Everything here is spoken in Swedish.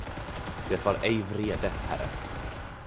Det var ej vrede, herre.